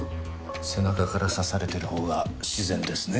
背中から刺されてるほうが自然ですね。